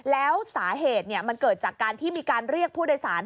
แล้วสาเหตุมันเกิดจากการที่มีการเรียกผู้โดยสาร